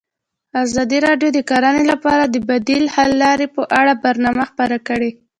ازادي راډیو د کرهنه لپاره د بدیل حل لارې په اړه برنامه خپاره کړې.